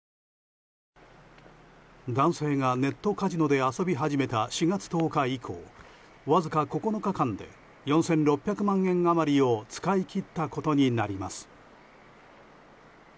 男性がネットカジノで遊び始めた４月１０日以降わずか９日間で４６００万円余りを使い切ったことになります。